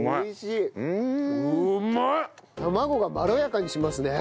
卵がまろやかにしますね。